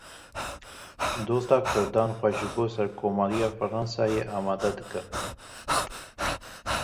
Dosta Kurdan xwe ji bo Serokkomariya Fransayê amade dike.